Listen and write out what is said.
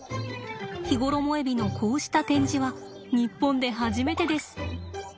ヒゴロモエビのこうした展示は日本で初めてです。